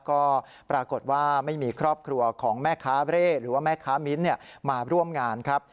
ก็ปรากฏว่าไม่มีครอบครัวของแม่ค้าเร่หรือว่าแม่ค้ามิ้นมาร่วมงานครับ